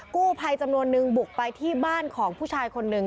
กู้ภัยจำนวนนึงบุกไปที่บ้านของผู้ชายคนหนึ่ง